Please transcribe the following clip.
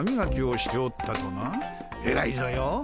えらいぞよ。